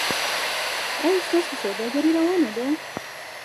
ایا ستاسو سوداګري روانه ده؟